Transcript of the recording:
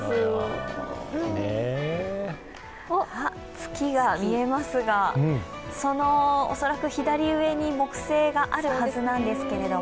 月が見えますが、その左上に木星があるはずなんですけども。